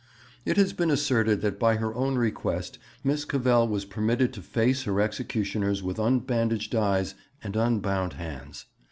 It has been asserted that by her own request Miss Cavell was permitted to face her executioners with unbandaged eyes and unbound hands.